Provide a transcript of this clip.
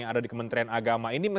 yang ada di kementerian agama ini